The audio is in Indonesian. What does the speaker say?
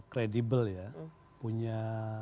kredibel ya punya